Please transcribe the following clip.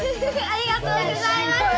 ありがとうございます！